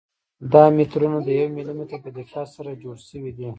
دا مترونه د یو ملي متر په دقت سره جوړ شوي دي.